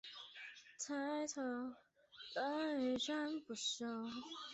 不能每年换车